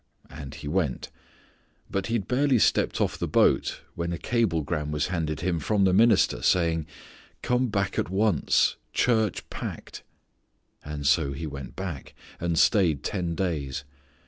And he went, but he had barely stepped off the boat when a cablegram was handed him from the minister saying, "Come back at once. Church packed." So he went back, and stayed ten days.